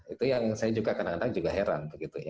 itu yang saya juga kadang kadang juga heran